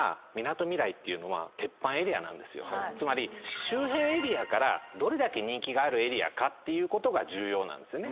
つまり周辺エリアからどれだけ人気があるエリアかっていうことが重要なんですよね。